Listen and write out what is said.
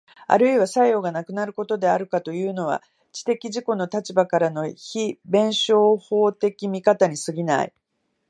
あるいは作用がなくなることであるとかいうのは、知的自己の立場からの非弁証法的見方に過ぎない。